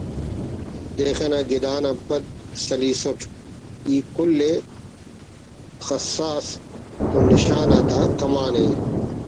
دیخہ نا گدان آن پَد سلیسُٹ ای کُل ءِ خسّاس تو نشان آتا نا کمان